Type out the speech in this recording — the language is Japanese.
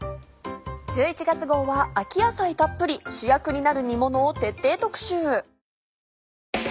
１１月号は「秋野菜たっぷり主役になる煮もの」を徹底特集。